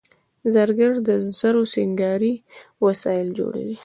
زرګر د زرو سینګاري وسایل جوړوي